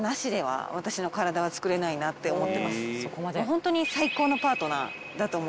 ホントに。